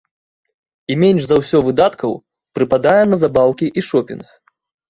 І менш за ўсё выдаткаў прыпадае на забаўкі і шопінг.